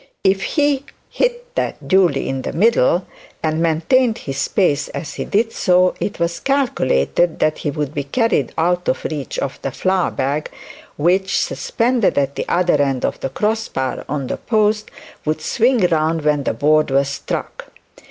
If he hit that duly in the middle, and maintained his pace as he did so, it was calculated that he would be carried out of reach of the flour bag, which, suspended at the other end of the cross bar on the post, would swing round when the board was struck.